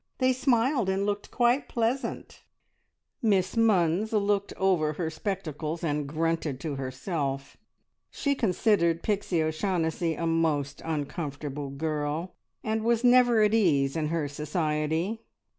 They smiled, and looked quite pleasant!" Miss Munns looked over her spectacles, and grunted to herself. She considered Pixie O'Shaughnessy a most uncomfortable girl, and was never at ease in her society.